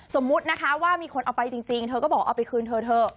สมมุตินะคะว่ามีคนเอาไปจริงเธอก็บอกเอาไปคืนเธอเถอะ